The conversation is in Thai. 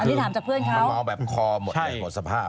อันนี้ถามจากเพื่อนเค้า